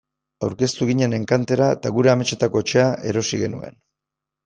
Aurkeztu ginen enkantera eta gure ametsetako etxea erosi genuen.